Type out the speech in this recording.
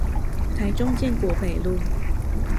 台中建國北路